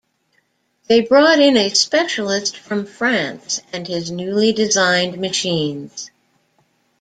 They brought in a specialist from France and his newly designed machines.